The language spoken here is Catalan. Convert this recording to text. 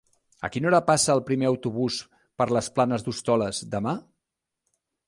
A quina hora passa el primer autobús per les Planes d'Hostoles demà?